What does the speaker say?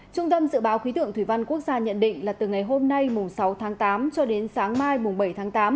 trung tâm dự báo khí tượng thủy văn quốc gia nhận định là từ ngày hôm nay mùng sáu tháng tám cho đến sáng mai bảy tháng tám